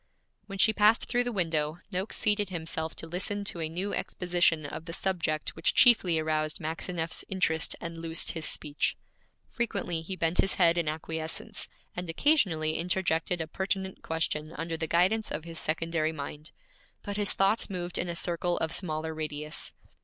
When she passed through the window, Noakes seated himself to listen to a new exposition of the subject which chiefly aroused Maxineff's interest and loosed his speech. Frequently he bent his head in acquiescence, and occasionally interjected a pertinent question under the guidance of his secondary mind; but his thoughts moved in a circle of smaller radius.